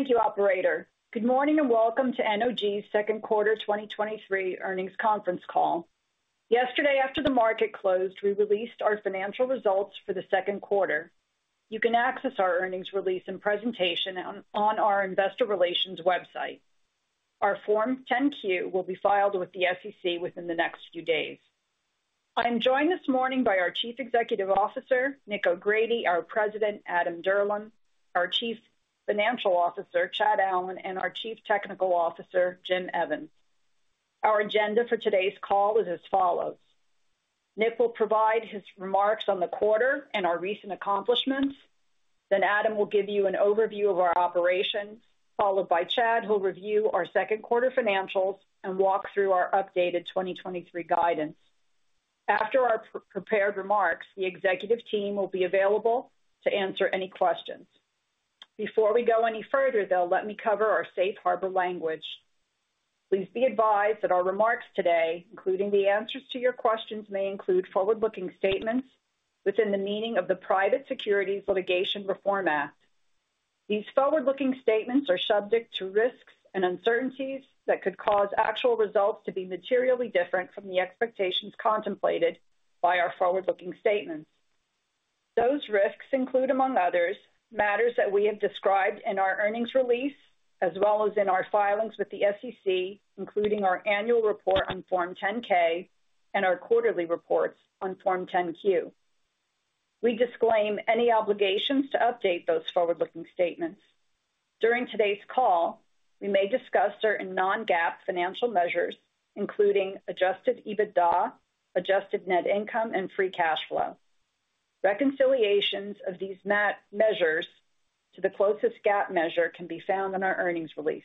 Thank you, operator. Good morning, welcome to NOG's second quarter 2023 earnings conference call. Yesterday, after the market closed, we released our financial results for the second quarter. You can access our earnings release and presentation on our investor relations website. Our Form 10-Q will be filed with the SEC within the next few days. I am joined this morning by our Chief Executive Officer, Nick O'Grady, our President, Adam Dirlam, our Chief Financial Officer, Chad Allen, and our Chief Technical Officer, Jim Evans. Our agenda for today's call is as follows: Nick will provide his remarks on the quarter and our recent accomplishments. Adam will give you an overview of our operations, followed by Chad, who'll review our second quarter financials and walk through our updated 2023 guidance. After our prepared remarks, the executive team will be available to answer any questions. Before we go any further, though, let me cover our safe harbor language. Please be advised that our remarks today, including the answers to your questions, may include forward-looking statements within the meaning of the Private Securities Litigation Reform Act. These forward-looking statements are subject to risks and uncertainties that could cause actual results to be materially different from the expectations contemplated by our forward-looking statements. Those risks include, among others, matters that we have described in our earnings release as well as in our filings with the SEC, including our annual report on Form 10-K and our quarterly reports on Form 10-Q. We disclaim any obligations to update those forward-looking statements. During today's call, we may discuss certain non-GAAP financial measures, including adjusted EBITDA, adjusted net income, and free cash flow. Reconciliations of these measures to the closest GAAP measure can be found in our earnings release.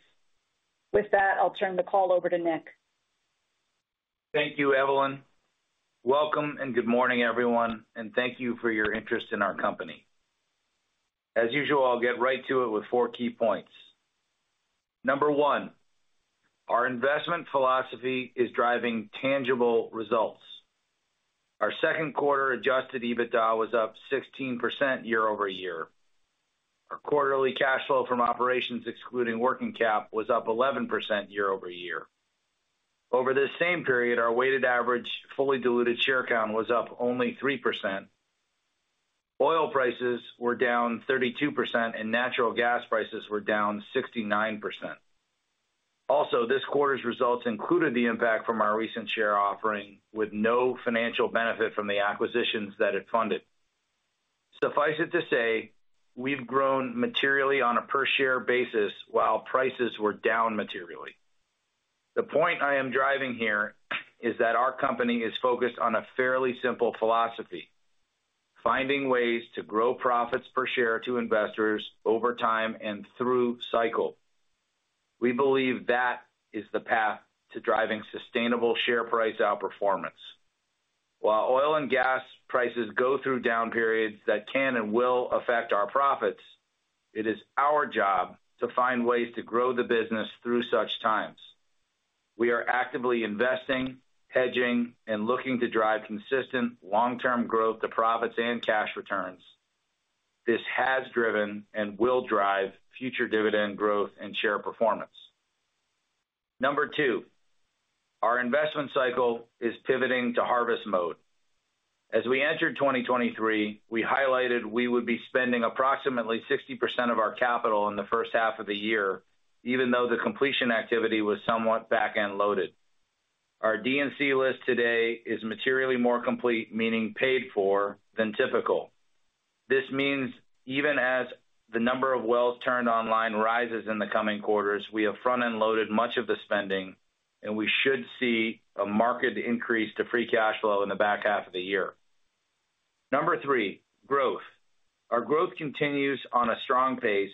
With that, I'll turn the call over to Nick. Thank you, Evelyn. Welcome, and good morning, everyone, and thank you for your interest in our company. As usual, I'll get right to it with four key points. Number one, our investment philosophy is driving tangible results. Our second quarter adjusted EBITDA was up 16% year-over-year. Our quarterly cash flow from operations, excluding working cap, was up 11% year-over-year. Over this same period, our weighted average, fully diluted share count was up only 3%. Oil prices were down 32%, and natural gas prices were down 69%. Also, this quarter's results included the impact from our recent share offering, with no financial benefit from the acquisitions that it funded. Suffice it to say, we've grown materially on a per-share basis while prices were down materially. The point I am driving here is that our company is focused on a fairly simple philosophy: finding ways to grow profits per share to investors over time and through cycle. We believe that is the path to driving sustainable share price outperformance. While oil and gas prices go through down periods that can and will affect our profits, it is our job to find ways to grow the business through such times. We are actively investing, hedging, and looking to drive consistent long-term growth to profits and cash returns. This has driven and will drive future dividend growth and share performance. Number two, our investment cycle is pivoting to harvest mode. As we entered 2023, we highlighted we would be spending approximately 60% of our capital in the first half of the year, even though the completion activity was somewhat back-end loaded. Our DNC list today is materially more complete, meaning paid for, than typical. This means even as the number of wells turned online rises in the coming quarters, we have front-end loaded much of the spending, and we should see a marked increase to free cash flow in the back half of the year. Number three, growth. Our growth continues on a strong pace,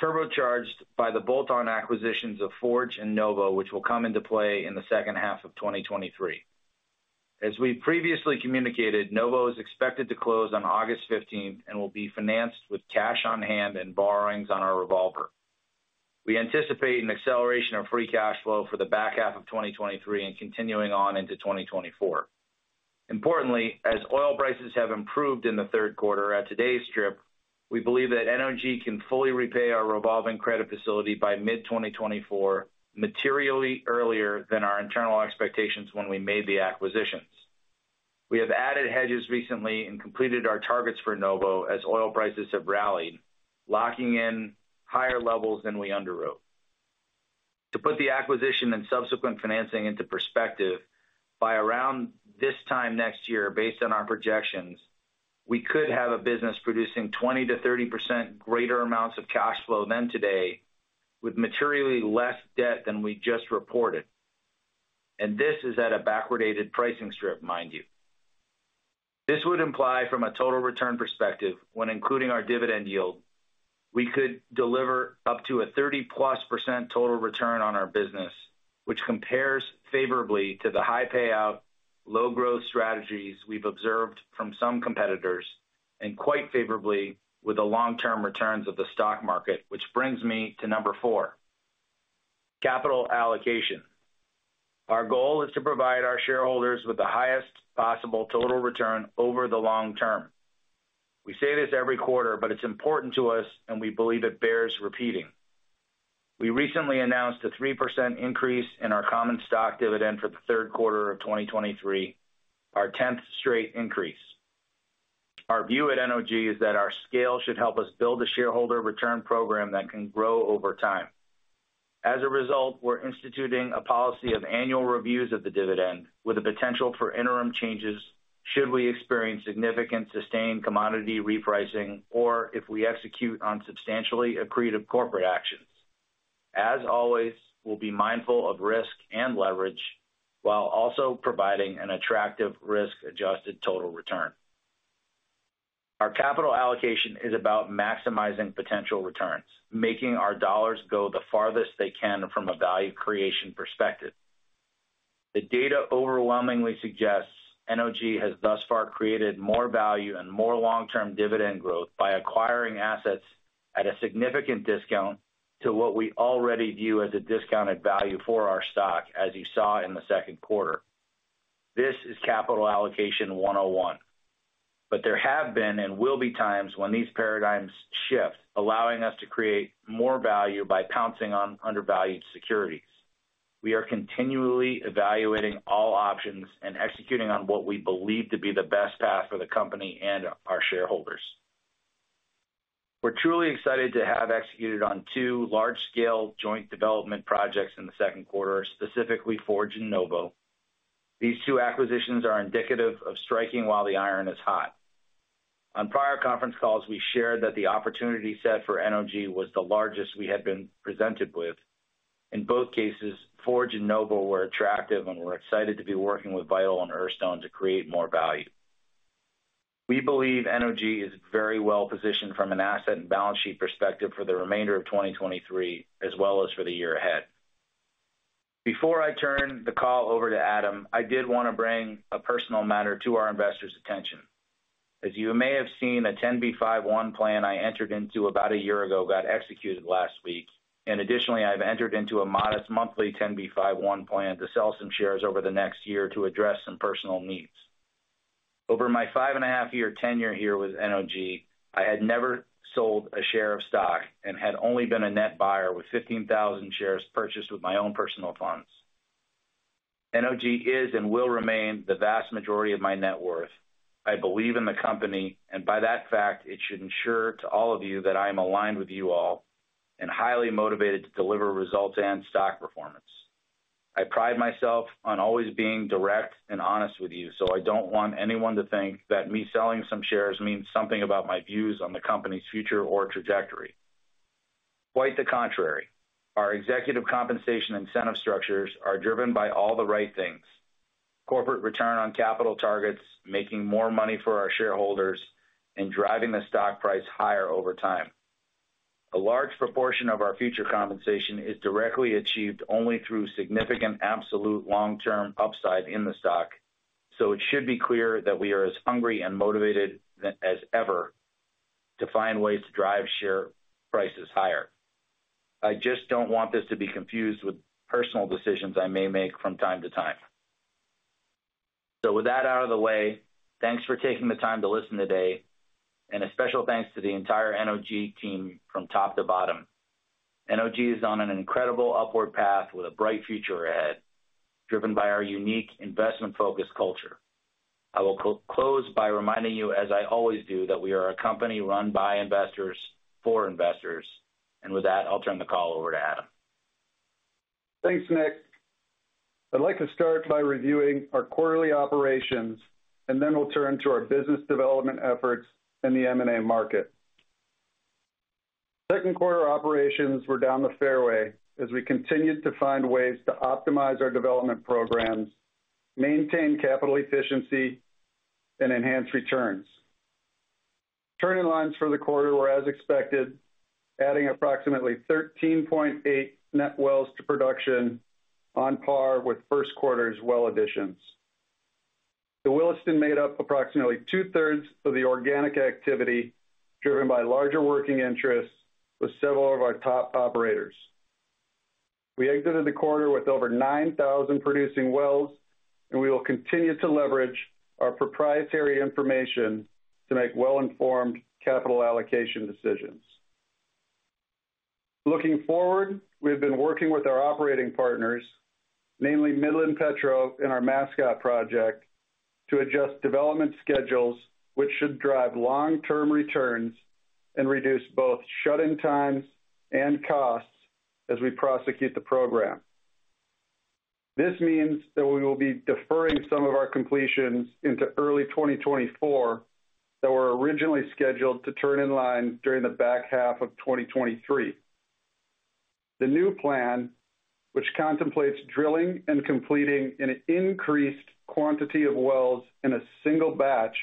turbocharged by the bolt-on acquisitions of Forge and Novo, which will come into play in the second half of 2023. As we previously communicated, Novo is expected to close on August 15th and will be financed with cash on hand and borrowings on our revolver. We anticipate an acceleration of free cash flow for the back half of 2023 and continuing on into 2024. Importantly, as oil prices have improved in the third quarter at today's strip, we believe that NOG can fully repay our revolving credit facility by mid-2024, materially earlier than our internal expectations when we made the acquisitions. We have added hedges recently and completed our targets for Novo as oil prices have rallied, locking in higher levels than we underwrote. To put the acquisition and subsequent financing into perspective, by around this time next year, based on our projections, we could have a business producing 20%-30% greater amounts of cash flow than today, with materially less debt than we just reported. This is at a backwardated pricing strip, mind you. This would imply, from a total return perspective, when including our dividend yield, we could deliver up to a 30%+ total return on our business, which compares favorably to the high-payout, low-growth strategies we've observed from some competitors, and quite favorably with the long-term returns of the stock market, which brings me to number four. Capital allocation. Our goal is to provide our shareholders with the highest possible total return over the long term. We say this every quarter, but it's important to us, and we believe it bears repeating. We recently announced a 3% increase in our common stock dividend for the third quarter of 2023, our 10th straight increase. Our view at NOG is that our scale should help us build a shareholder return program that can grow over time. As a result, we're instituting a policy of annual reviews of the dividend, with the potential for interim changes should we experience significant sustained commodity repricing, or if we execute on substantially accretive corporate actions. As always, we'll be mindful of risk and leverage, while also providing an attractive risk-adjusted total return. Our capital allocation is about maximizing potential returns, making our dollars go the farthest they can from a value creation perspective. The data overwhelmingly suggests NOG has thus far created more value and more long-term dividend growth by acquiring assets at a significant discount to what we already view as a discounted value for our stock, as you saw in the second quarter. This is Capital Allocation 101. There have been and will be times when these paradigms shift, allowing us to create more value by pouncing on undervalued securities. We are continually evaluating all options and executing on what we believe to be the best path for the company and our shareholders. We're truly excited to have executed on two large-scale joint development projects in the second quarter, specifically Forge and Novo. These two acquisitions are indicative of striking while the iron is hot. On prior conference calls, we shared that the opportunity set for NOG was the largest we had been presented with. In both cases, Forge and Novo were attractive, and we're excited to be working with Novo and Earthstone to create more value. We believe NOG is very well positioned from an asset and balance sheet perspective for the remainder of 2023, as well as for the year ahead. Before I turn the call over to Adam, I did wanna bring a personal matter to our investors' attention. As you may have seen, a 10b5-1 plan I entered into about a year ago got executed last week, and additionally, I've entered into a modest monthly 10b5-1 plan to sell some shares over the next year to address some personal needs. Over my 5.5 year tenure here with NOG, I had never sold a share of stock and had only been a net buyer with 15,000 shares purchased with my own personal funds. NOG is and will remain the vast majority of my net worth. I believe in the company, and by that fact, it should ensure to all of you that I am aligned with you all and highly motivated to deliver results and stock performance. I pride myself on always being direct and honest with you, so I don't want anyone to think that me selling some shares means something about my views on the company's future or trajectory. Quite the contrary, our executive compensation incentive structures are driven by all the right things: corporate return on capital targets, making more money for our shareholders, and driving the stock price higher over time. A large proportion of our future compensation is directly achieved only through significant, absolute long-term upside in the stock, so it should be clear that we are as hungry and motivated as ever to find ways to drive share prices higher. I just don't want this to be confused with personal decisions I may make from time to time. With that out of the way, thanks for taking the time to listen today. A special thanks to the entire NOG team from top to bottom. NOG is on an incredible upward path with a bright future ahead, driven by our unique investment-focused culture. I will close by reminding you, as I always do, that we are a company run by investors, for investors, and with that, I'll turn the call over to Adam. Thanks, Nick. I'd like to start by reviewing our quarterly operations, and then we'll turn to our business development efforts in the M&A market. Second quarter operations were down the fairway as we continued to find ways to optimize our development programs, maintain capital efficiency, and enhance returns. Turning lines for the quarter were as expected, adding approximately 13.8 net wells to production, on par with first quarter's well additions. The Williston made up approximately two-thirds of the organic activity, driven by larger working interests with several of our top operators. We exited the quarter with over 9,000 producing wells, and we will continue to leverage our proprietary information to make well-informed capital allocation decisions. Looking forward, we have been working with our operating partners, mainly Midland-Petro, in our Mascot project, to adjust development schedules, which should drive long-term returns and reduce both shut-in times and costs as we prosecute the program. This means that we will be deferring some of our completions into early 2024, that were originally scheduled to turn in line during the back half of 2023. The new plan, which contemplates drilling and completing an increased quantity of wells in a single batch,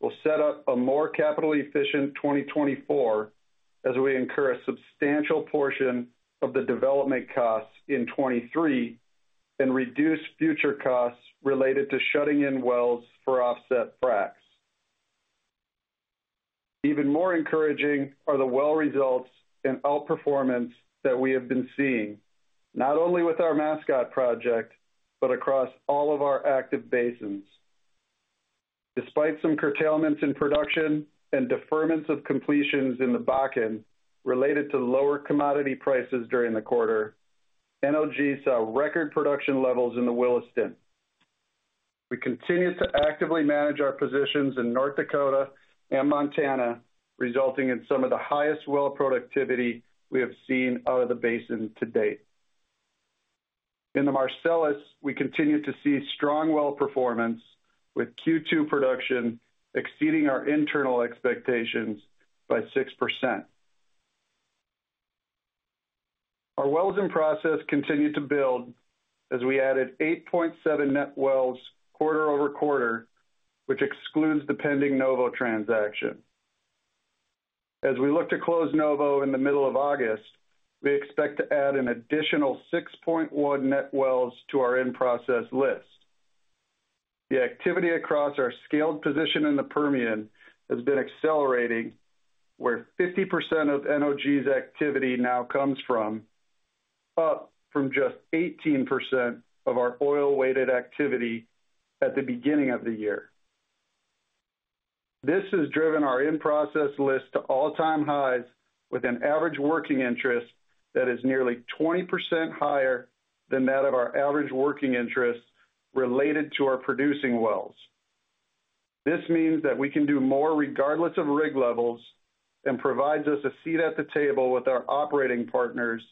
will set up a more capital-efficient 2024 as we incur a substantial portion of the development costs in 2023 and reduce future costs related to shutting in wells for offset fracs.... Even more encouraging are the well results and outperformance that we have been seeing, not only with our Mascot project, but across all of our active basins. Despite some curtailments in production and deferments of completions in the Bakken related to lower commodity prices during the quarter, NOG saw record production levels in the Williston. We continue to actively manage our positions in North Dakota and Montana, resulting in some of the highest well productivity we have seen out of the basin to date. In the Marcellus, we continue to see strong well performance, with Q2 production exceeding our internal expectations by 6%. Our wells in process continued to build as we added 8.7 net wells quarter-over-quarter, which excludes the pending Novo transaction. We look to close Novo in the middle of August, we expect to add an additional 6.1 net wells to our in-process list. The activity across our scaled position in the Permian has been accelerating, where 50% of NOG's activity now comes from, up from just 18% of our oil-weighted activity at the beginning of the year. This has driven our in-process list to all-time highs with an average working interest that is nearly 20% higher than that of our average working interest related to our producing wells. This means that we can do more regardless of rig levels and provides us a seat at the table with our operating partners,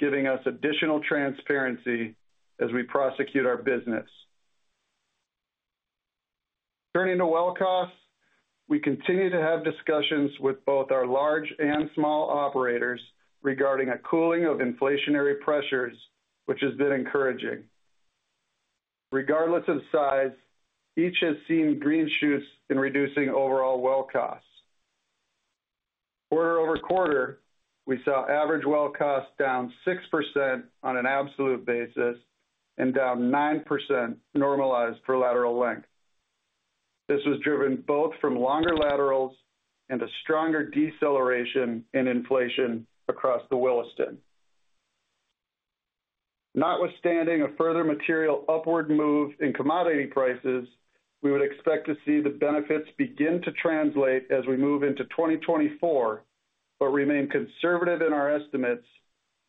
giving us additional transparency as we prosecute our business. Turning to well costs, we continue to have discussions with both our large and small operators regarding a cooling of inflationary pressures, which has been encouraging. Regardless of size, each has seen green shoots in reducing overall well costs. Quarter over quarter, we saw average well costs down 6% on an absolute basis and down 9% normalized for lateral length. This was driven both from longer laterals and a stronger deceleration in inflation across the Williston. Notwithstanding a further material upward move in commodity prices, we would expect to see the benefits begin to translate as we move into 2024, but remain conservative in our estimates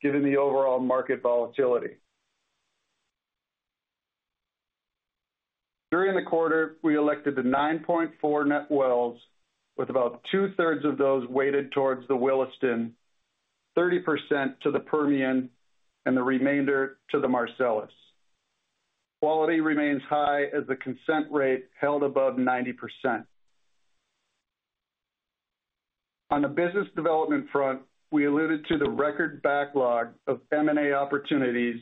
given the overall market volatility. During the quarter, we elected the 9.4 net wells, with about 2/3 of those weighted towards the Williston, 30% to the Permian, and the remainder to the Marcellus. Quality remains high as the consent rate held above 90%. On the business development front, we alluded to the record backlog of M&A opportunities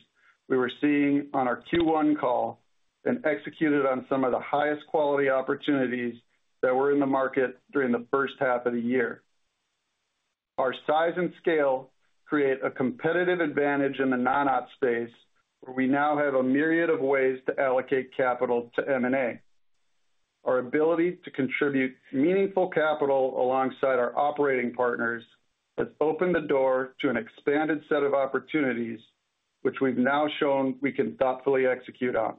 we were seeing on our Q1 call and executed on some of the highest quality opportunities that were in the market during the first half of the year. Our size and scale create a competitive advantage in the non-op space, where we now have a myriad of ways to allocate capital to M&A. Our ability to contribute meaningful capital alongside our operating partners has opened the door to an expanded set of opportunities, which we've now shown we can thoughtfully execute on.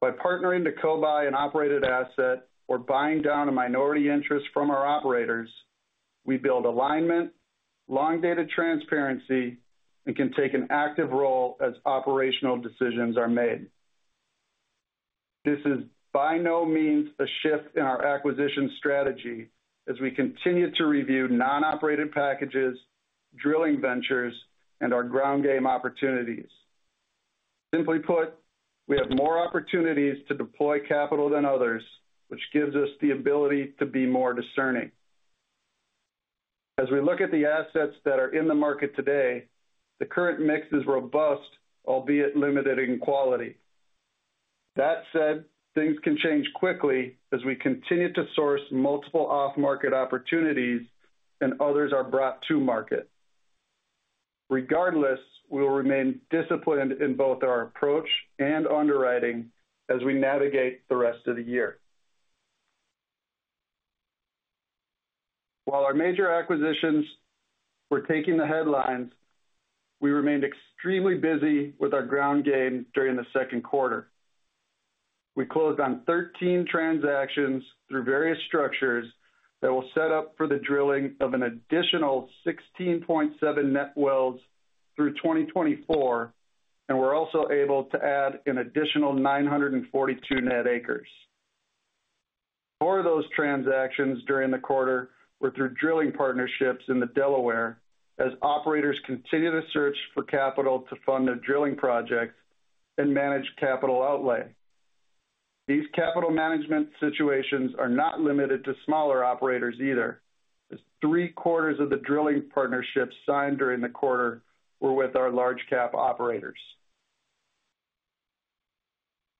By partnering to co-buy an operated asset or buying down a minority interest from our operators, we build alignment, long data transparency, and can take an active role as operational decisions are made. This is by no means a shift in our acquisition strategy as we continue to review non-operated packages, drilling ventures, and our ground game opportunities. Simply put, we have more opportunities to deploy capital than others, which gives us the ability to be more discerning. As we look at the assets that are in the market today, the current mix is robust, albeit limited in quality. That said, things can change quickly as we continue to source multiple off-market opportunities and others are brought to market. Regardless, we will remain disciplined in both our approach and underwriting as we navigate the rest of the year. While our major acquisitions were taking the headlines, we remained extremely busy with our ground game during the second quarter. We closed on 13 transactions through various structures that will set up for the drilling of an additional 16.7 net wells through 2024. We're also able to add an additional 942 net acres. Four of those transactions during the quarter were through drilling partnerships in the Delaware, as operators continue to search for capital to fund their drilling projects and manage capital outlay. These capital management situations are not limited to smaller operators either, as three-quarters of the drilling partnerships signed during the quarter were with our large cap operators.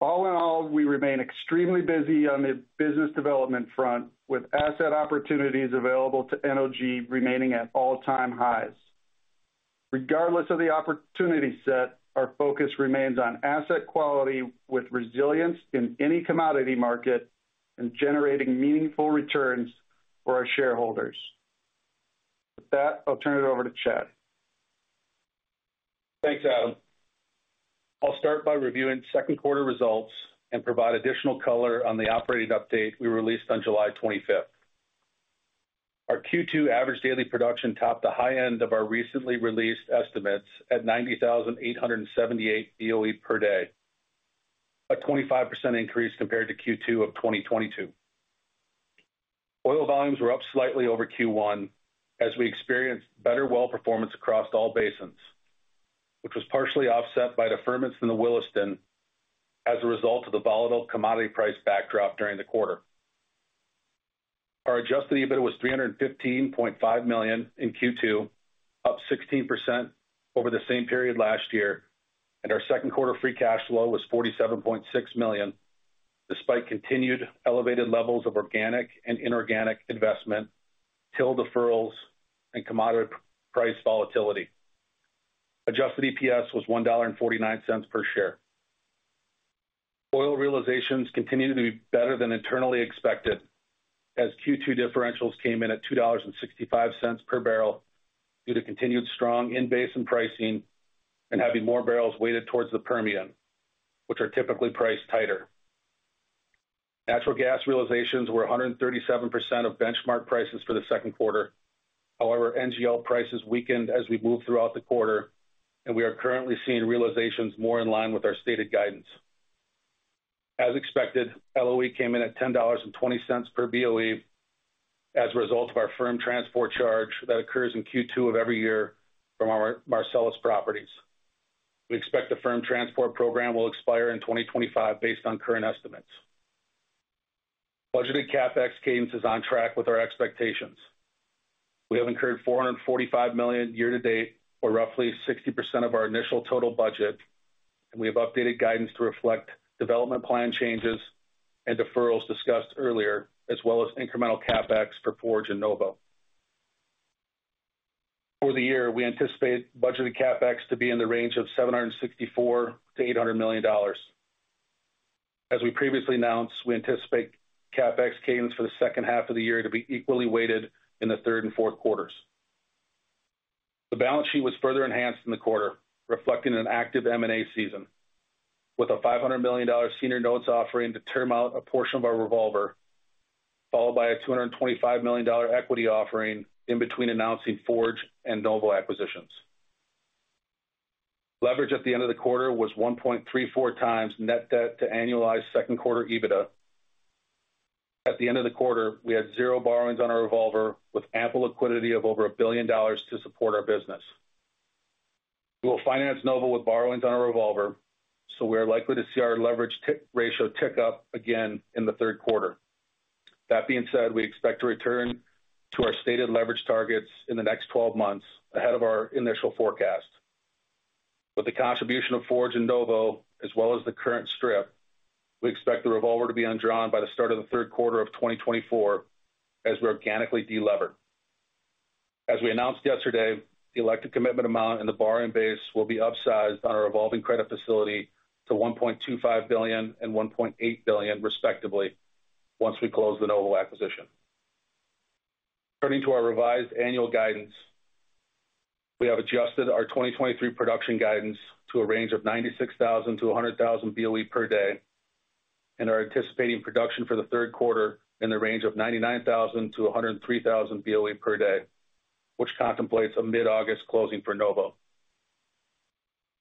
All in all, we remain extremely busy on the business development front, with asset opportunities available to NOG remaining at all-time highs. Regardless of the opportunity set, our focus remains on asset quality with resilience in any commodity market and generating meaningful returns for our shareholders. With that, I'll turn it over to Chad. Thanks, Adam. I'll start by reviewing second quarter results and provide additional color on the operating update we released on July 25th. Our Q2 average daily production topped the high end of our recently released estimates at 90,878 BOE per day, a 25% increase compared to Q2 of 2022. Oil volumes were up slightly over Q1 as we experienced better well performance across all basins, which was partially offset by deferments in the Williston as a result of the volatile commodity price backdrop during the quarter. Our adjusted EBITDA was $315.5 million in Q2, up 16% over the same period last year, and our second quarter free cash flow was $47.6 million, despite continued elevated levels of organic and inorganic investment, TIL deferrals, and commodity price volatility. Adjusted EPS was $1.49 per share. Oil realizations continue to be better than internally expected, as Q2 differentials came in at $2.65 per barrel due to continued strong in-basin pricing and having more barrels weighted towards the Permian, which are typically priced tighter. NGL prices weakened as we moved throughout the quarter, and we are currently seeing realizations more in line with our stated guidance. As expected, LOE came in at $10.20 per BOE as a result of our firm transport charge that occurs in Q2 of every year from our Marcellus properties. We expect the firm transport program will expire in 2025 based on current estimates. Budgeted CapEx cadence is on track with our expectations. We have incurred $445 million year to date, or roughly 60% of our initial total budget, and we have updated guidance to reflect development plan changes and deferrals discussed earlier, as well as incremental CapEx for Forge and Novo. For the year, we anticipate budgeted CapEx to be in the range of $764 million-$800 million. As we previously announced, we anticipate CapEx cadence for the second half of the year to be equally weighted in the third and fourth quarters. The balance sheet was further enhanced in the quarter, reflecting an active M&A season, with a $500 million senior notes offering to term out a portion of our revolver, followed by a $225 million equity offering in between announcing Forge and Novo acquisitions. Leverage at the end of the quarter was 1.34 times net debt to annualized second quarter EBITDA. At the end of the quarter, we had zero borrowings on our revolver, with ample liquidity of over $1 billion to support our business. We will finance Novo with borrowings on our revolver, so we are likely to see our leverage ratio tick up again in the third quarter. That being said, we expect to return to our stated leverage targets in the next 12 months ahead of our initial forecast. With the contribution of Forge and Novo, as well as the current strip, we expect the revolver to be undrawn by the start of the third quarter of 2024 as we organically delever. As we announced yesterday, the elected commitment amount and the borrowing base will be upsized on our revolving credit facility to $1.25 billion and $1.8 billion, respectively, once we close the Novo acquisition. Turning to our revised annual guidance, we have adjusted our 2023 production guidance to a range of 96,000-100,000 BOE per day, and are anticipating production for the third quarter in the range of 99,000-103,000 BOE per day, which contemplates a mid-August closing for Novo.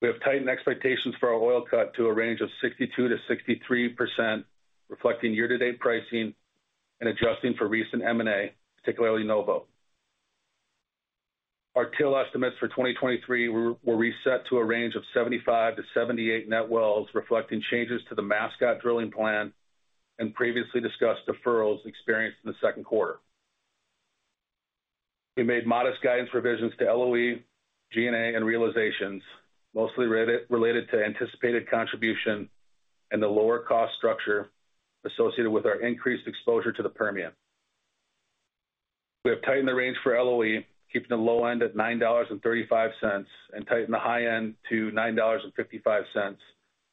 We have tightened expectations for our oil cut to a range of 62%-63%, reflecting year-to-date pricing and adjusting for recent M&A, particularly Novo. Our TIL estimates for 2023 were reset to a range of 75-78 net wells, reflecting changes to the Mascot drilling plan and previously discussed deferrals experienced in the second quarter. We made modest guidance revisions to LOE, G&A, and realizations, mostly related to anticipated contribution and the lower cost structure associated with our increased exposure to the Permian. We have tightened the range for LOE, keeping the low end at $9.35, and tightened the high end to $9.55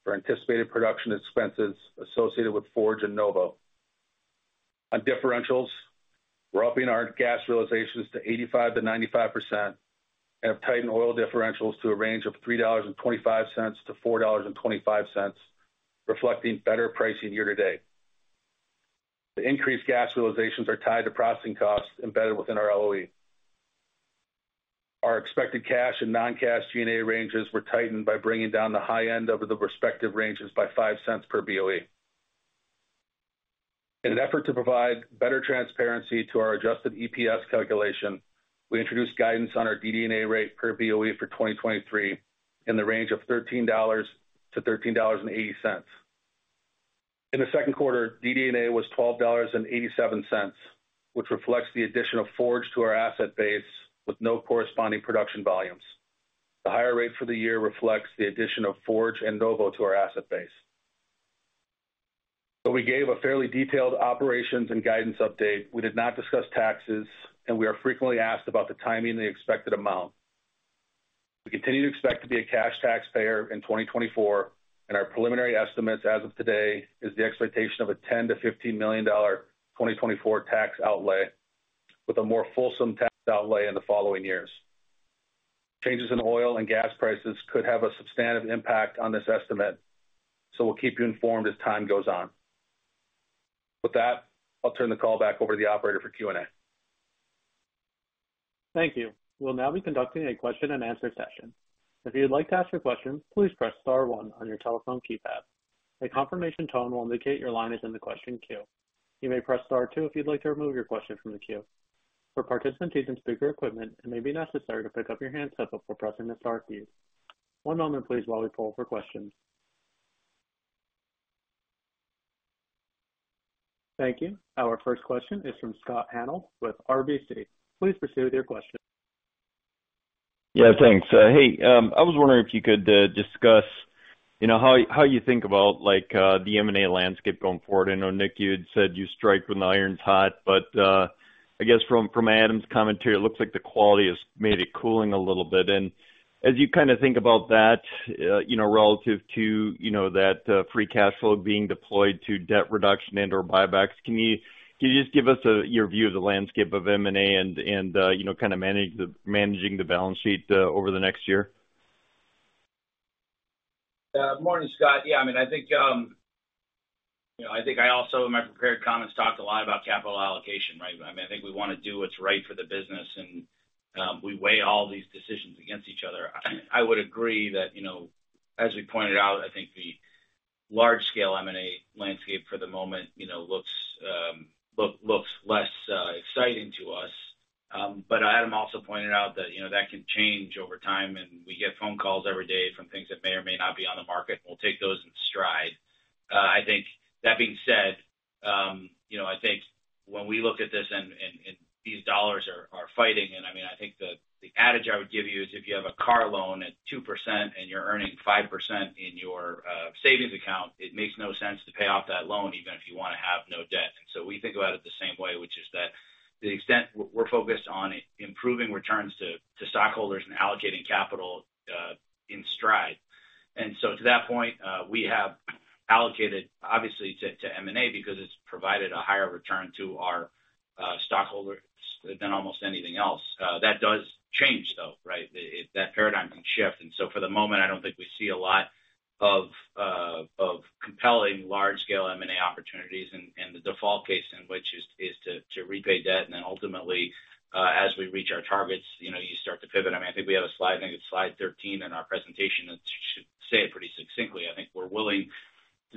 for anticipated production expenses associated with Forge and Novo. On differentials, we're upping our gas realizations to 85%-95% and have tightened oil differentials to a range of $3.25-$4.25, reflecting better pricing year to date. The increased gas realizations are tied to processing costs embedded within our LOE. Our expected cash and non-cash G&A ranges were tightened by bringing down the high end of the respective ranges by $0.05 per BOE. In an effort to provide better transparency to our adjusted EPS calculation, we introduced guidance on our DD&A rate per BOE for 2023 in the range of $13.00-$13.80. In the second quarter, DD&A was $12.87, which reflects the addition of Forge to our asset base with no corresponding production volumes. The higher rate for the year reflects the addition of Forge and Novo to our asset base.... Though we gave a fairly detailed operations and guidance update, we did not discuss taxes. We are frequently asked about the timing and the expected amount. We continue to expect to be a cash taxpayer in 2024. Our preliminary estimates as of today is the expectation of a $10 million-$15 million 2024 tax outlay, with a more fulsome tax outlay in the following years. Changes in oil and gas prices could have a substantive impact on this estimate. We'll keep you informed as time goes on. With that, I'll turn the call back over to the operator for Q&A. Thank you. We'll now be conducting a question-and-answer session. If you'd like to ask a question, please press star one on your telephone keypad. A confirmation tone will indicate your line is in the question queue. You may press star two if you'd like to remove your question from the queue. For participants using speaker equipment, it may be necessary to pick up your handset before pressing the star key. One moment please, while we poll for questions. Thank you. Our first question is from Scott Hanold with RBC. Please proceed with your question. Yeah, thanks. Hey, I was wondering if you could discuss, you know, how, how you think about, like, the M&A landscape going forward. I know, Nick, you had said you strike when the iron's hot, but I guess from, from Adam's commentary, it looks like the quality has made it cooling a little bit. As you kind of think about that, you know, relative to, you know, that free cash flow being deployed to debt reduction and/or buybacks, can you, can you just give us your view of the landscape of M&A and, and, you know, kind of managing the balance sheet over the next year? Morning, Scott. Yeah, I mean, I think, you know, I think I also, in my prepared comments, talked a lot about capital allocation, right? I mean, I think we wanna do what's right for the business, and we weigh all these decisions against each other. I, I would agree that, you know, as we pointed out, I think the large scale M&A landscape for the moment, you know, looks, looks less exciting to us. Adam also pointed out that, you know, that can change over time, and we get phone calls every day from things that may or may not be on the market, and we'll take those in stride. I think that being said, you know, I think when we look at this and, and, and these dollars are, are fighting, and, I mean, I think the, the adage I would give you is, if you have a car loan at 2% and you're earning 5% in your savings account, it makes no sense to pay off that loan, even if you wanna have no debt. We think about it the same way, which is that the extent we're, we're focused on improving returns to stockholders and allocating capital in stride. To that point, we have allocated obviously to M&A because it's provided a higher return to our stockholders than almost anything else. That does change, though, right? That paradigm can shift. For the moment, I don't think we see a lot of compelling large-scale M&A opportunities. The default case in which is, is to, to repay debt, and then ultimately, as we reach our targets, you know, you start to pivot. I mean, I think we have a slide, I think it's slide 13 in our presentation that should say it pretty succinctly. I think we're willing to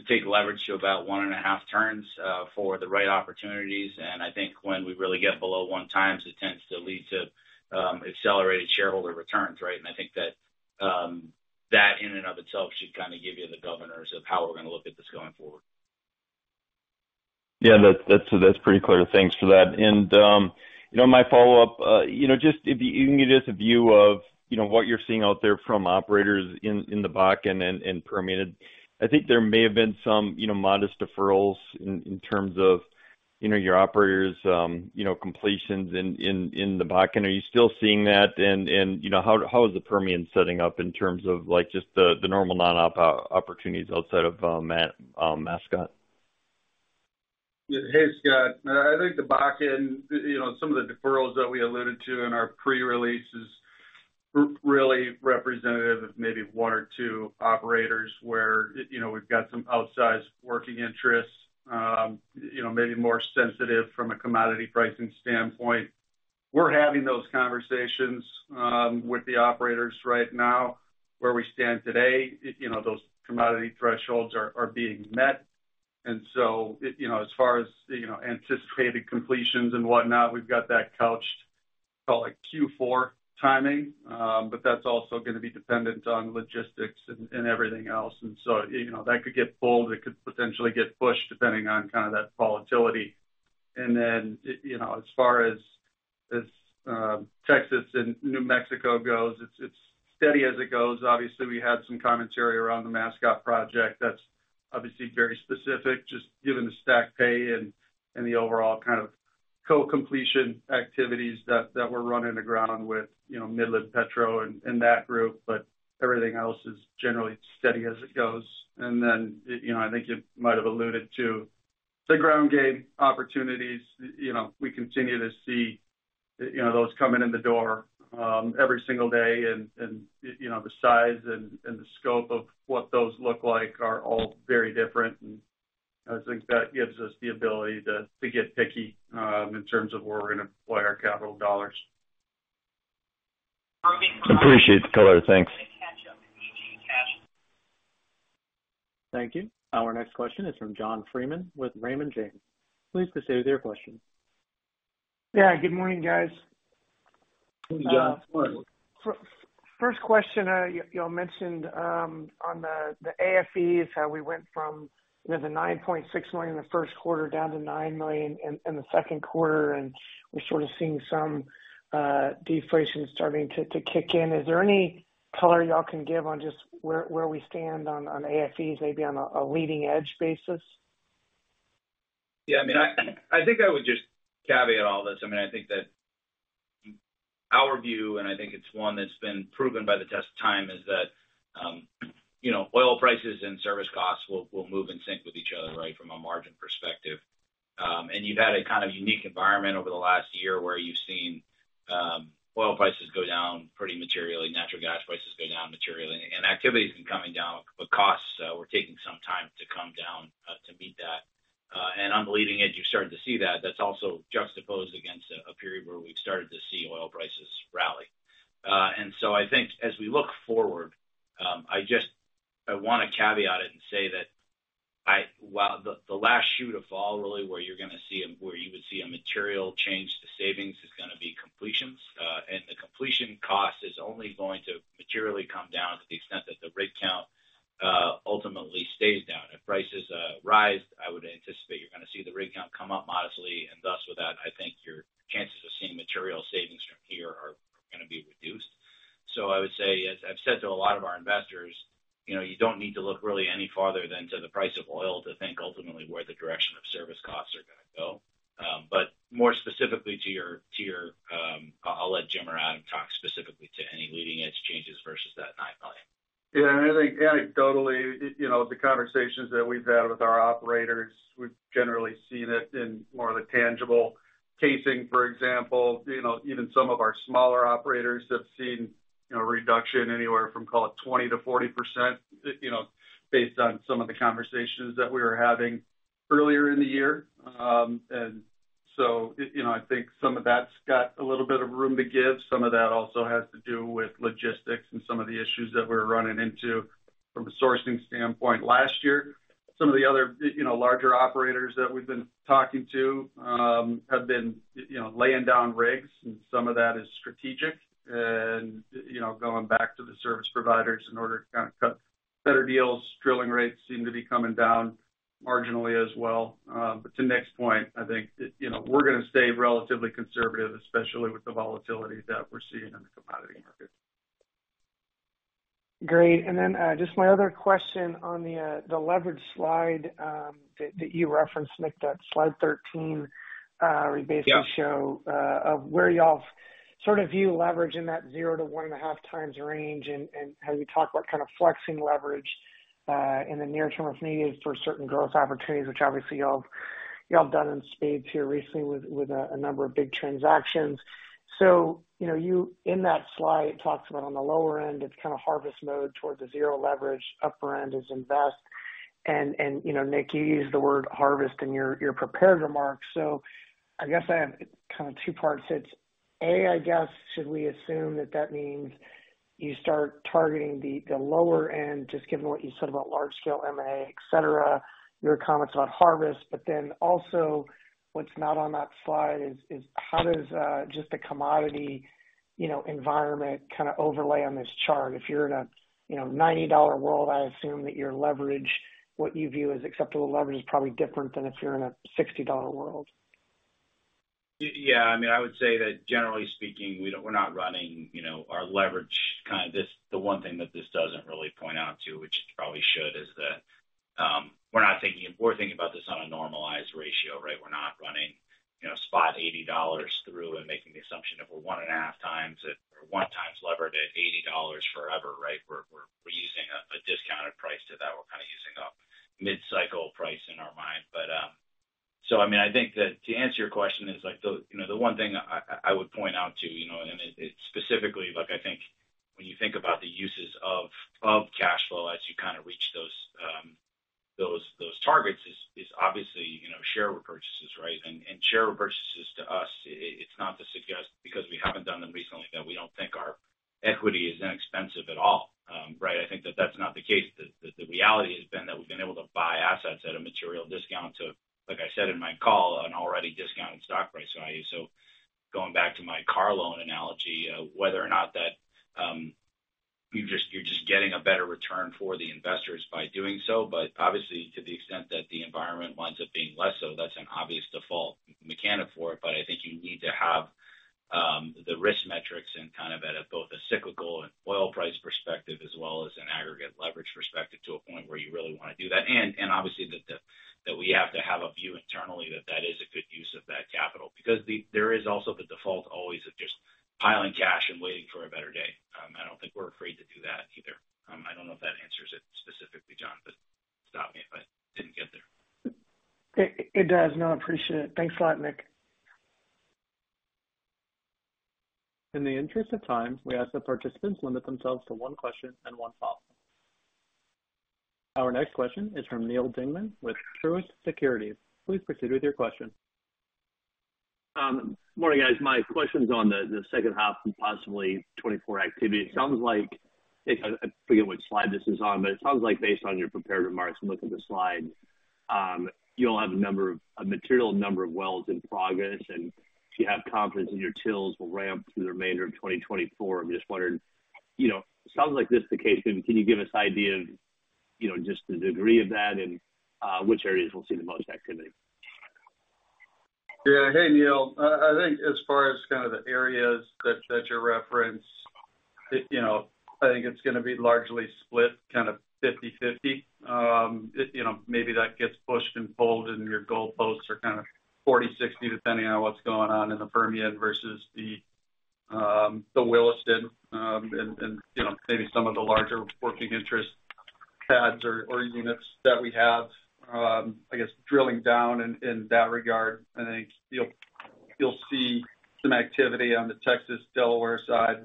take leverage to about 1.5 turns for the right opportunities, and I think when we really get below 1x, it tends to lead to accelerated shareholder returns, right? I think that in and of itself should kind of give you the governors of how we're gonna look at this going forward. Yeah, that, that's, that's pretty clear. Thanks for that. You know, my follow-up, you know, just if you can give me just a view of, you know, what you're seeing out there from operators in, in the Bakken and, and Permian. I think there may have been some, you know, modest deferrals in, in terms of, you know, your operators', you know, completions in, in, in the Bakken. Are you still seeing that? You know, how, how is the Permian setting up in terms of, like, just the, the normal non-op opportunities outside of Mascot? Hey, Scott. I, I think the Bakken, you know, some of the deferrals that we alluded to in our pre-release is really representative of maybe one or two operators where, you know, we've got some outsized working interests, you know, maybe more sensitive from a commodity pricing standpoint. We're having those conversations with the operators right now. Where we stand today, you know, those commodity thresholds are, are being met, so, you know, as far as, you know, anticipated completions and whatnot, we've got that couched, call it Q4 timing, but that's also gonna be dependent on logistics and, and everything else. So, you know, that could get pulled, it could potentially get pushed depending on kind of that volatility. Then, you know, as far as, as Texas and New Mexico goes, it's, it's steady as it goes. Obviously, we had some commentary around the Mascot Project that's obviously very specific, just given the stacked pay and, and the overall kind of co-completion activities that, that we're running aground with, you know, Midland-Petro and, and that group. Everything else is generally steady as it goes. Then, you know, I think you might have alluded to the ground game opportunities. You know, we continue to see, you know, those coming in the door every single day. And, you know, the size and, and the scope of what those look like are all very different, and I think that gives us the ability to, to get picky, in terms of where we're gonna deploy our capital dollars. Appreciate the color. Thanks. Thank you. Our next question is from John Freeman with Raymond James. Please proceed with your question. Yeah. Good morning, guys. Hey, John. First question. You all mentioned on the AFEs, how we went from, you know, the $9.6 million in the first quarter down to $9 million in the second quarter, and we're sort of seeing some deflation starting to kick in. Is there any color y'all can give on just where we stand on AFEs, maybe on a leading-edge basis? Yeah, I mean, I, I think I would just caveat all this. I mean, I think that our view, and I think it's one that's been proven by the test of time, is that, you know, oil prices and service costs will, will move in sync with each other, right? From a margin perspective. You've had a kind of unique environment over the last year where you've seen, oil prices go down pretty materially, natural gas prices go down materially, and activity has been coming down, but costs were taking some time to come down to meet that. On the leading edge, you're starting to see that. That's also juxtaposed against a, a period where we've started to see oil prices rally. I think as we look forward, I just I wanna caveat it and say that I the last shoot of fall, really, where you're gonna see where you would see a material change to savings is gonna be completions. The completion cost is only going to materially come down to the extent that the rig count ultimately stays down. If prices rise, I would anticipate you're gonna see the rig count come up modestly. Thus, with that, I think your chances of seeing material savings from here are gonna be reduced. I would say, as I've said to a lot of our investors, you know, you don't need to look really any farther than to the price of oil to think ultimately where the direction of service costs are gonna go. More specifically I'll let Jim or Adam talk specifically to any leading edge changes versus that $9 million. Yeah, I think anecdotally, you know, the conversations that we've had with our operators, we've generally seen it in more of the tangible casing, for example. You know, even some of our smaller operators have seen, you know, a reduction anywhere from, call it, 20%-40%, you know, based on some of the conversations that we were having earlier in the year. You know, I think some of that's got a little bit of room to give. Some of that also has to do with logistics and some of the issues that we're running into from a sourcing standpoint last year. Some of the other, you know, larger operators that we've been talking to, have been, you know, laying down rigs, and some of that is strategic, and, you know, going back to the service providers in order to kind of cut better deals. Drilling rates seem to be coming down marginally as well. To Nick's point, I think, you know, we're gonna stay relatively conservative, especially with the volatility that we're seeing in the commodity market. Great. Then, just my other question on the leverage slide, that you referenced, Nick, that slide 13. Yeah. - where you basically show, of where y'all sort of view leverage in that zero to 1.5x range, and, and how you talk about kind of flexing leverage in the near term, if needed, for certain growth opportunities, which obviously y'all, y'all have done in spades here recently with, with a, a number of big transactions. You know, you, in that slide, talks about on the lower end, it's kind of harvest mode towards a zero leverage. Upper end is invest. And, and, you know, Nick, you used the word harvest in your, your prepared remarks. So I guess I have kind of two parts. It's A, I guess, should we assume that that means you start targeting the, the lower end, just given what you said about large scale MA, et cetera, your comments about harvest? Then also, what's not on that slide is, is how does just the commodity, you know, environment kind of overlay on this chart? If you're in a, you know, 90-dollar world, I assume that your leverage, what you view as acceptable leverage, is probably different than if you're in a 60-dollar world. Yeah. I mean, I would say that generally speaking, we don't we're not running, you know, our leverage kind of this the one thing that this doesn't really point out to, which it probably should, is that we're not thinking we're thinking about this on a normalized ratio, right? We're not running, you know, spot $80 through and making the assumption if we're 1.5 times or 1 time levered at $80 forever, right? We're, we're, we're using a, a discounted price to that. We're kind of using a mid-cycle price in our mind. I mean, I think that to answer your question is, like, the, you know, the one thing I, I would point out to, you know, and it, it's specifically like, I think when you think about the uses of cash flow as you kind of reach those, those, those targets is, is obviously, you know, share repurchases, right? Share repurchases to us, it's not to suggest, because we haven't done them recently, that we don't think our equity is inexpensive at all, right? I think that that's not the case. The reality has been that we've been able to buy assets at a material discount to, like I said in my call, an already discounted stock price value. going back to my car loan analogy, whether or not that, you're just, you're just getting a better return for the investors by doing so. Obviously, to the extent that the environment winds up being less so, that's an obvious default. We can't afford it, but I think you need to have the risk metrics and kind of at a, both a cyclical and oil price perspective, as well as an aggregate leverage perspective, to a point where you really want to do that. Obviously, that we have to have a view internally that that is a good use of that capital, because there is also the default, always, of just piling cash and waiting for a better day. I don't think we're afraid to do that either. I don't know if that answers it specifically, John, but stop me if I didn't get there. It, it does. No, I appreciate it. Thanks a lot, Nick. In the interest of time, we ask that participants limit themselves to one question and one follow-up. Our next question is from Neal Dingmann with Truist Securities. Please proceed with your question. Morning, guys. My question's on the, the second half and possibly 2024 activity. It sounds like, I forget which slide this is on, but it sounds like based on your prepared remarks and looking at the slide, you all have a number of-- a material number of wells in progress, and so you have confidence that your TILs will ramp through the remainder of 2024. I'm just wondering, you know, it sounds like this is the case, but can you give us an idea of, you know, just the degree of that and which areas will see the most activity? Yeah. Hey, Neal. I think as far as kind of the areas that, that you reference, it, you know, I think it's gonna be largely split kind of 50/50. It, you know, maybe that gets pushed and pulled, and your goalposts are kind of 40/60, depending on what's going on in the Permian versus the Williston. And, you know, maybe some of the larger working interest pads or, or units that we have. I guess, drilling down in, in that regard, I think you'll, you'll see some activity on the Texas-Delaware side,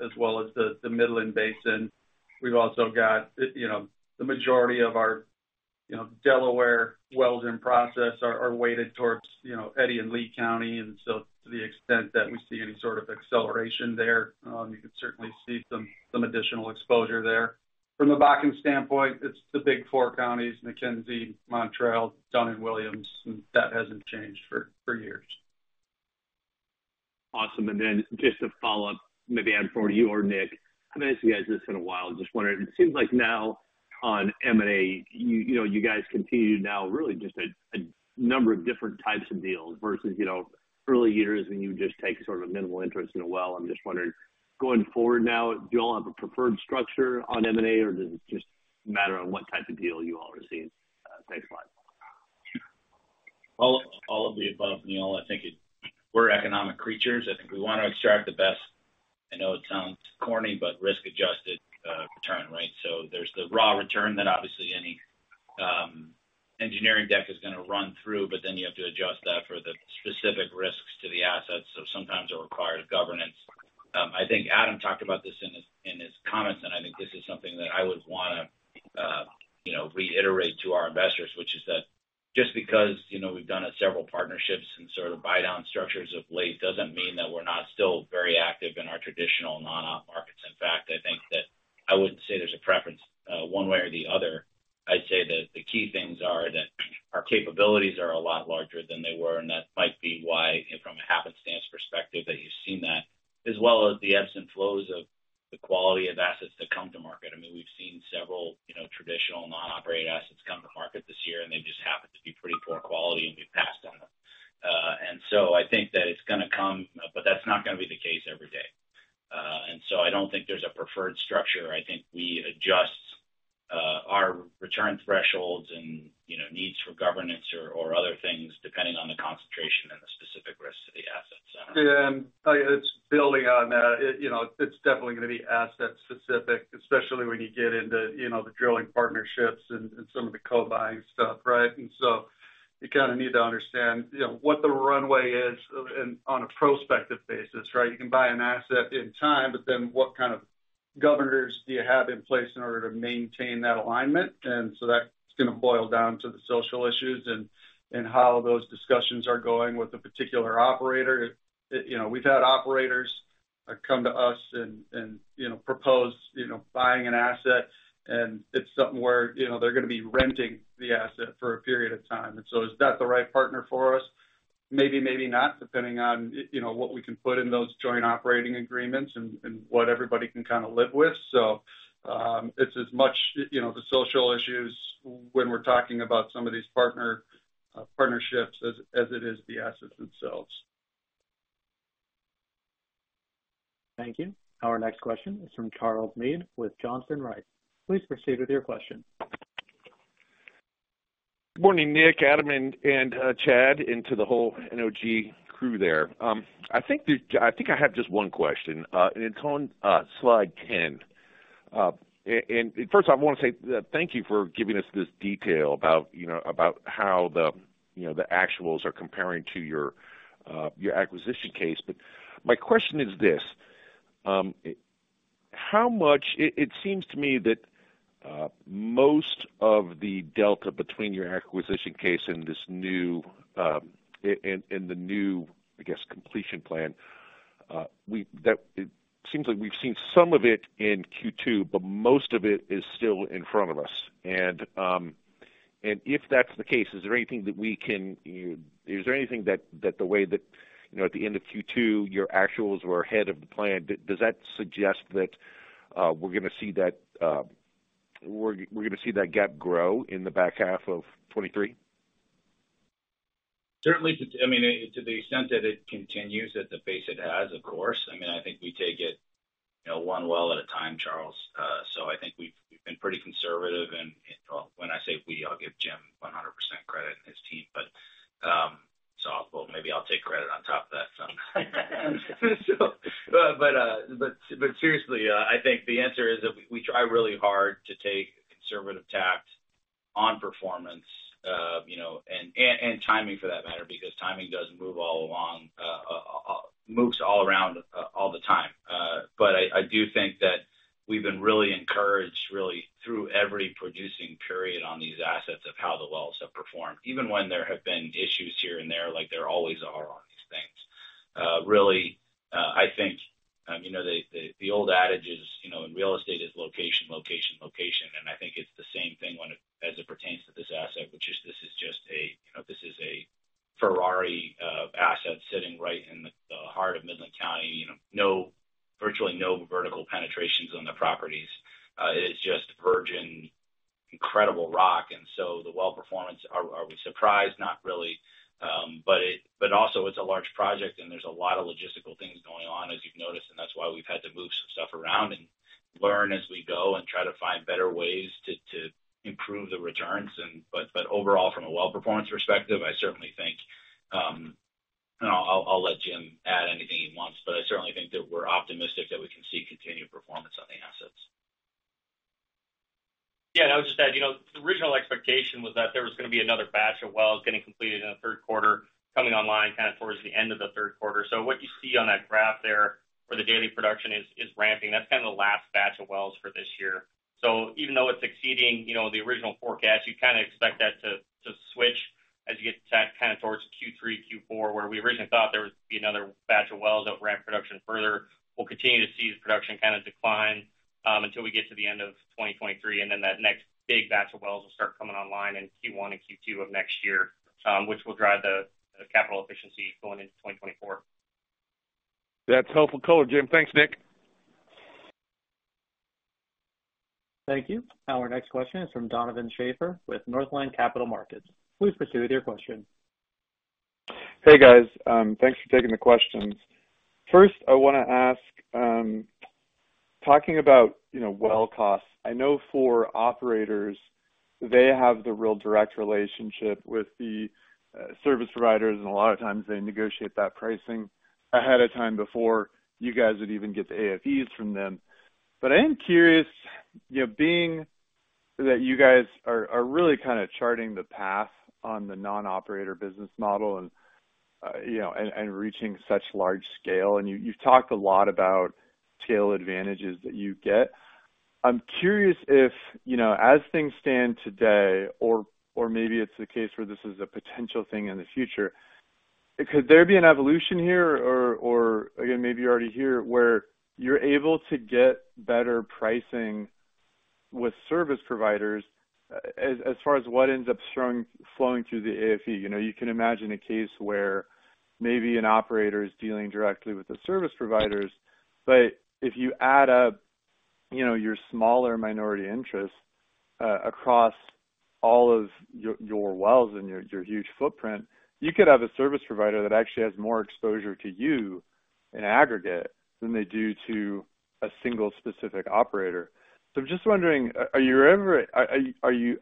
as well as the Midland Basin. We've also got, you know, the majority of our, you know, Delaware wells in process are, are weighted towards, you know, Eddy and Lee County, and so to the extent that we see any sort of acceleration there, you could certainly see some, some additional exposure there. From a Bakken standpoint, it's the big four counties, McKenzie, Mountrail, Dunn, and Williams, and that hasn't changed for, for years. Awesome. Just to follow up, maybe, Adam, for you or Nick, I haven't asked you guys this in a while, just wondering. It seems like now on M&A, you, you know, you guys continue now really just a, a number of different types of deals versus, you know, early years when you just take sort of a minimal interest in a well. I'm just wondering, going forward now, do you all have a preferred structure on M&A, or is it just a matter of what type of deal you all receive? Thanks a lot. All, all of the above, Neal. I think we're economic creatures. I think we want to extract the best. I know it sounds corny, but risk-adjusted return, right? There's the raw return that obviously any engineering deck is gonna run through, but then you have to adjust that for the specific risks to the assets. Sometimes it requires governance. I think Adam talked about this in his comments, and I think this is something that I would wanna, you know, reiterate to our investors, which is that just because, you know, we've done several partnerships and sort of buy down structures of late, doesn't mean that we're not still very active in our traditional non-op markets. In fact, I think that I wouldn't say there's a preference, one way or the other. I'd say that the key things are that our capabilities are a lot larger than they were, and that might be why, from a happenstance perspective, that you've seen that, as well as the ebbs and flows of the quality of assets that come to market. I mean, we've seen several, you know, traditional non-operated assets come to market this year, and they just happen to be pretty poor quality, and we've passed on them. I think that it's gonna come, but that's not gonna be the case every day. I don't think there's a preferred structure. I think we adjust, our return thresholds and, you know, needs for governance or, or other things, depending on the concentration and the specific risks to the assets. I don't know. Yeah, it's building on that. It, you know, it's definitely gonna be asset specific, especially when you get into, you know, the drilling partnerships and, and some of the co-buying stuff, right? So you kinda need to understand, you know, what the runway is of, and on a prospective basis, right? You can buy an asset in time, but then what kind of governors do you have in place in order to maintain that alignment? So that's gonna boil down to the social issues and, and how those discussions are going with the particular operator. It, you know, we've had operators come to us and, and, you know, propose, you know, buying an asset, and it's something where, you know, they're gonna be renting the asset for a period of time. So is that the right partner for us? Maybe, maybe not, depending on, you know, what we can put in those joint operating agreements and, and what everybody can kinda live with. It's as much, you know, the social issues when we're talking about some of these partner, partnerships as, as it is the assets themselves. Thank you. Our next question is from Charles Meade with Johnson Rice. Please proceed with your question. Good morning, Nick, Adam, and Chad, and to the whole NOG crew there. I think I have just one question, and it's on slide 10. First off, I wanna say, thank you for giving us this detail about, you know, about how the, you know, the actuals are comparing to your, your acquisition case. My question is this, how much... It, it seems to me that most of the delta between your acquisition case and this new, and the new, I guess, completion plan, that it seems like we've seen some of it in Q2, but most of it is still in front of us. And if that's the case, is there anything that we can is there anything that, that the way that, you know, at the end of Q2, your actuals were ahead of the plan, does that suggest that, we're gonna see that, we're gonna see that gap grow in the back half of '23? Certainly to, I mean, to the extent that it continues at the pace it has, of course. I mean, I think we take it, you know, 1 well at a time, Charles. I think we've, we've been pretty conservative, and, well, when I say we, I'll give Jim 100% credit and his team. So well, maybe I'll take credit on top of that. But, but seriously, I think the answer is that we try really hard to take a conservative tact on performance, you know, and, and, and timing for that matter, because timing does move all along, moves all around, all the time. I, I do think that we've been really encouraged, really, through every producing period on these assets of how the wells have performed, even when there have been issues here and there, like there always are on these things. Really, I think, you know, the, the, the old adage is, you know, in real estate is location, location, location, and I think it's the same thing when it-- as it pertains to this asset, which is, this is just a, you know, this is a Ferrari, asset sitting right in the, the heart of Midland County, you know, no-- virtually no vertical penetrations on the properties. It is just incredible rock, so the well performance, are we surprised? Not really. Also it's a large project, and there's a lot of logistical things going on, as you've noticed, and that's why we've had to move some stuff around and learn as we go and try to find better ways to, to improve the returns. Overall, from a well performance perspective, I certainly think, and I'll, I'll let Jim add anything he wants, but I certainly think that we're optimistic that we can see continued performance on the assets. Yeah, I would just add, you know, the original expectation was that there was going to be another batch of wells getting completed in the third quarter, coming online kind of towards the end of the third quarter. What you see on that graph there, where the daily production is, is ramping, that's kind of the last batch of wells for this year. Even though it's exceeding, you know, the original forecast, you kind of expect that to, to switch as you get to kind of towards Q3, Q4, where we originally thought there would be another batch of wells that would ramp production further. We'll continue to see the production kind of decline, until we get to the end of 2023, and then that next big batch of wells will start coming online in Q1 and Q2 of next year, which will drive the, the capital efficiency going into 2024. That's helpful color, Jim. Thanks, Nick. Thank you. Our next question is from Donovan Schafer with Northland Capital Markets. Please proceed with your question. Hey, guys. Thanks for taking the questions. First, I want to ask, talking about, you know, well costs. I know for operators, they have the real direct relationship with the service providers, and a lot of times they negotiate that pricing ahead of time before you guys would even get the AFEs from them. I am curious, you know, being that you guys are, are really kind of charting the path on the non-operator business model and, you know, and, and reaching such large scale, and you, you've talked a lot about scale advantages that you get. I'm curious if, you know, as things stand today, or, or maybe it's the case where this is a potential thing in the future, could there be an evolution here, or, or, again, maybe you're already here, where you're able to get better pricing with service providers as, as far as what ends up flowing through the AFE? You know, you can imagine a case where maybe an operator is dealing directly with the service providers, but if you add up, you know, your smaller minority interests, across all of your, your wells and your, your huge footprint, you could have a service provider that actually has more exposure to you in aggregate than they do to a single specific operator. I'm just wondering, are you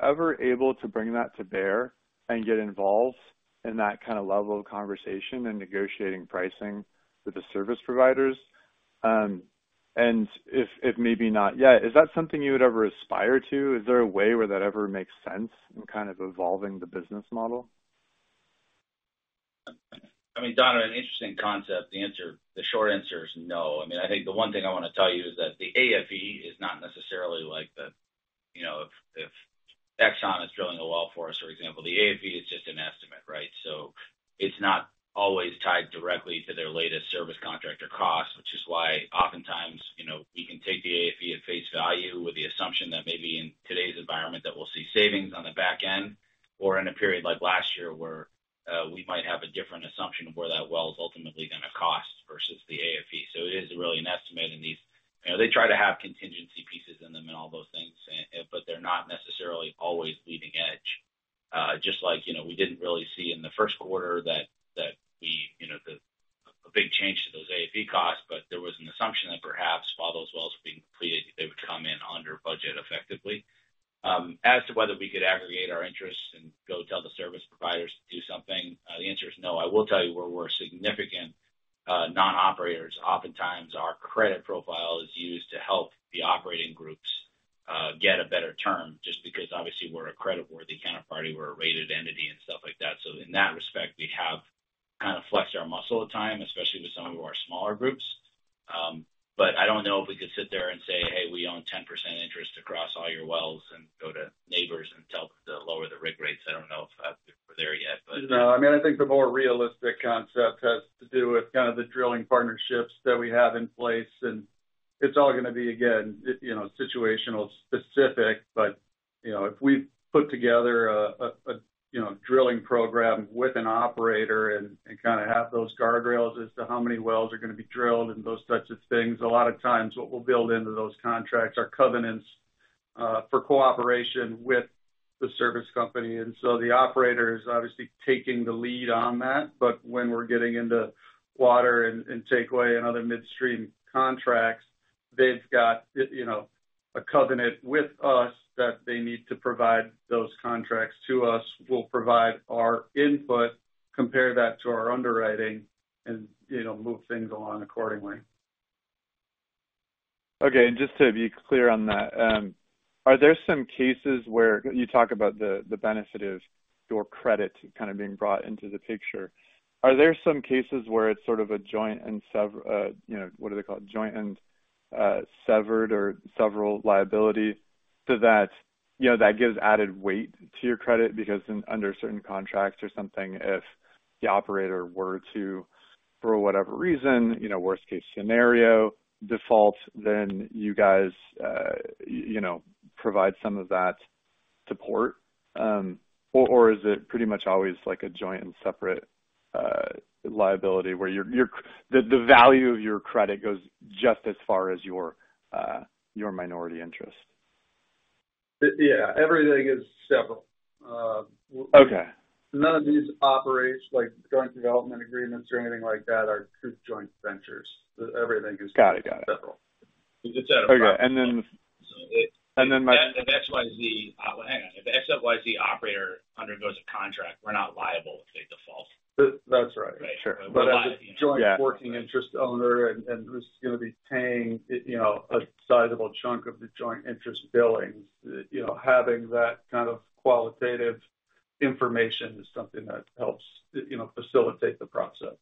ever able to bring that to bear and get involved in that kind of level of conversation in negotiating pricing with the service providers? If maybe not yet, is that something you would ever aspire to? Is there a way where that ever makes sense in kind of evolving the business model? I mean, Donovan, an interesting concept. The answer, the short answer is no. I mean, I think the one thing I want to tell you is that the AFE is not necessarily like the, you know, if, if Exxon is drilling a well for us, for example, the AFE is just an estimate, right? It's not always tied directly to their latest service contract or cost, which is why oftentimes, you know, we can take the AFE at face value with the assumption that maybe in today's environment, that we'll see savings on the back end, or in a period like last year, where we might have a different assumption of where that well is ultimately going to cost versus the AFE. It is really an estimate, and these... You know, they try to have contingency pieces in them and all those things, but they're not necessarily always leading edge. Just like, you know, we didn't really see in the first quarter that we-- you know, a big change to those AFE costs, but there was an assumption that perhaps while those wells were being completed, they would come in under budget effectively. As to whether we could aggregate our interests and go tell the service providers to do something, the answer is no. I will tell you, where we're significant non-operators, oftentimes our credit profile is used to help the operating groups get a better term, just because obviously we're a credit-worthy counterparty, we're a rated entity and stuff like that. In that respect, we have kind of flexed our muscle at times, especially with some of our smaller groups. I don't know if we could sit there and say, "Hey, we own 10% interest across all your wells," and go to Nabors and tell them to lower the rig rates. I don't know if we're there yet. No, I mean, I think the more realistic concept has to do with kind of the drilling partnerships that we have in place, and it's all going to be, again, you know, situational specific. You know, if we put together a, you know, drilling program with an operator and kind of have those guardrails as to how many wells are going to be drilled and those types of things, a lot of times what we'll build into those contracts are covenants for cooperation with the service company. So the operator is obviously taking the lead on that. When we're getting into water and takeaway and other midstream contracts, they've got, you know, a covenant with us that they need to provide those contracts to us. We'll provide our input, compare that to our underwriting, and, you know, move things along accordingly. Okay, and just to be clear on that, are there some cases where you talk about the, the benefit of your credit kind of being brought into the picture? Are there some cases where it's sort of a joint and sever, you know, what are they called? Joint and severed or several liability so that, you know, that gives added weight to your credit, because under certain contracts or something, if the operator were to, for whatever reason, you know, worst case scenario, default, then you guys, you know, provide some of that support? Or, or is it pretty much always like a joint and separate liability, where your, your, the, the value of your credit goes just as far as your, your minority interest? yeah, everything is several... Okay. None of these operates like joint development agreements or anything like that, are two joint ventures. Everything is- Got it. Got it. Several. Okay. So it- And then my- Well, hang on. If the XYZ operator undergoes a contract, we're not liable if they default. That, that's right. Right. Sure. But as a joint- Yeah -working interest owner and who's gonna be paying, you know, a sizable chunk of the joint interest billings, you know, having that kind of qualitative information is something that helps, you know, facilitate the process.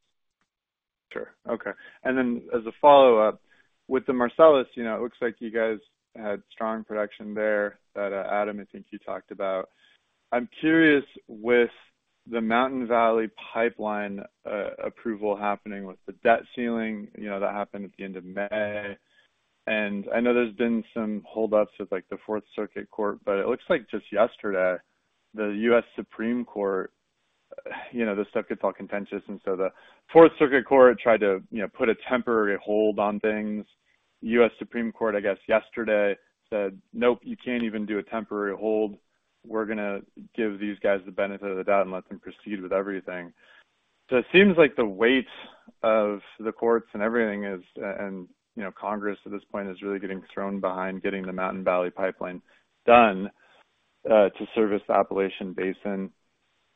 Sure. Okay. Then as a follow-up, with the Marcellus, you know, it looks like you guys had strong production there, that, Adam, I think you talked about. I'm curious, with the Mountain Valley Pipeline approval happening with the debt ceiling, you know, that happened at the end of May. I know there's been some hold ups with, like, the Fourth Circuit Court, but it looks like just yesterday, the U.S. Supreme Court, you know, this stuff gets all contentious, and so the Fourth Circuit Court tried to, you know, put a temporary hold on things. U.S. Supreme Court, I guess, yesterday said, "Nope, you can't even do a temporary hold. We're gonna give these guys the benefit of the doubt and let them proceed with everything." It seems like the weight of the courts and everything is... You know, Congress, at this point, is really getting thrown behind getting the Mountain Valley Pipeline done, to service the Appalachian Basin.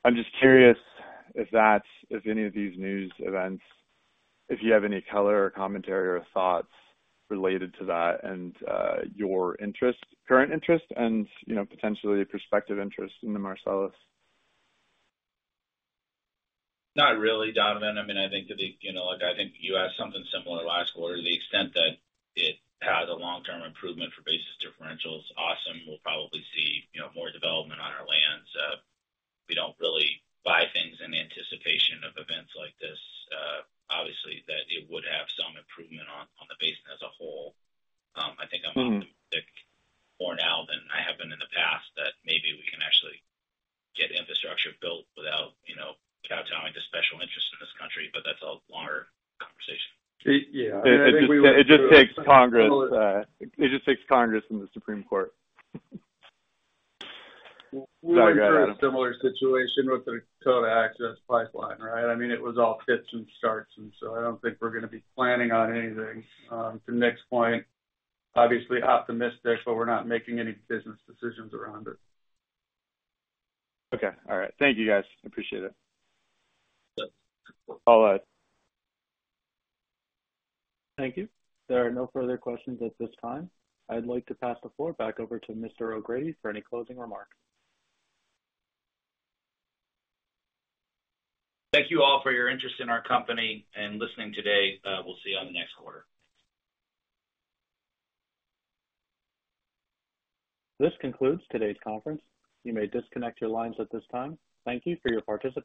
I'm just curious if that's, if any of these news events, if you have any color or commentary or thoughts related to that and your interest, current interest and, you know, potentially prospective interest in the Marcellus? Not really, Donovan. I mean, I think that the, you know, look, I think you asked something similar last quarter. To the extent that it has a long-term improvement for basis differential, it's awesome. We'll probably see, you know, more development on our lands. We don't really buy things in anticipation of events like this. Obviously, that it would have some improvement on, on the basin as a whole. Mm optimistic more now than I have been in the past, that maybe we can actually get infrastructure built without, you know, kowtowing to special interests in this country, but that's a longer conversation. Yeah. It just takes Congress, it just takes Congress and the Supreme Court. We went through a similar situation with the Dakota Access Pipeline, right? I mean, it was all fits and starts, and so I don't think we're gonna be planning on anything. To Nick's point, obviously optimistic, but we're not making any business decisions around it. Okay. All right. Thank you, guys. Appreciate it. Yep. All right. Thank you. There are no further questions at this time. I'd like to pass the floor back over to Mr. O'Grady for any closing remarks. Thank you all for your interest in our company and listening today. We'll see you on the next quarter. This concludes today's conference. You may disconnect your lines at this time. Thank you for your participation.